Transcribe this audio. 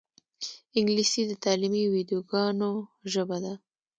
انګلیسي د تعلیمي ویدیوګانو ژبه ده